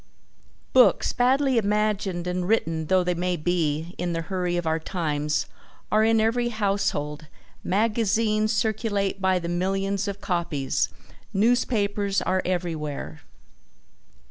Books, badly imagined and written though they may be in the hurry of our times, are in every household, magazines circulate by the millions of copies, newspapers are everywhere.